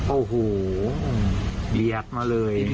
โอ้โหเรียกมาเลย